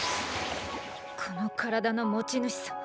この体の持ち主さ。